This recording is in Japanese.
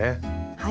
はい。